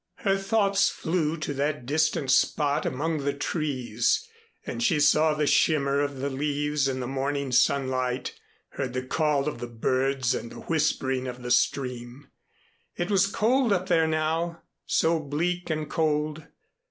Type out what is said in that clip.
Her thoughts flew to that distant spot among the trees, and she saw the shimmer of the leaves in the morning sunlight, heard the call of the birds and the whispering of the stream. It was cold up there now, so bleak and cold.